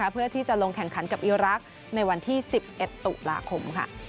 เพื่อที่จะลงแข่งขันกับอีรักษ์ในวันที่๑๑ตุลาคม